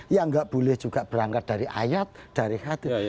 yang tidak boleh juga berangkat dari ayat dari hadis